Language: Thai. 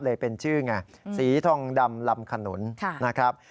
เป็นชื่อไงสีทองดำลำขนุนนะครับ